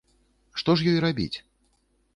Што ж ёй рабіць?